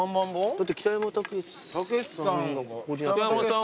だって北山たけしさん。